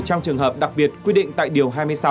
trong trường hợp đặc biệt quy định tại điều hai mươi sáu